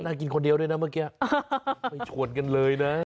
กินคนเดียวด้วยนะเมื่อกี้ไปชวนกันเลยนะ